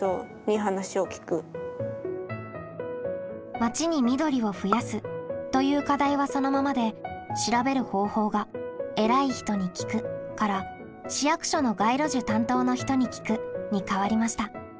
「町に緑を増やす」という課題はそのままで調べる方法が「えらい人に聞く」から「市役所の街路樹担当の人に聞く」に変わりました。